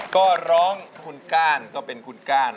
ก็ร้องคุณก้านก็เป็นคุณก้าน